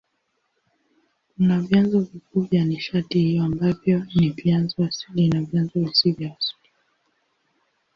Kuna vyanzo vikuu vya nishati hiyo ambavyo ni vyanzo asili na vyanzo visivyo asili.